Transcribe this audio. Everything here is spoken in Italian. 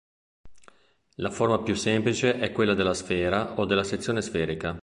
La forma più semplice è quella della sfera o della sezione sferica.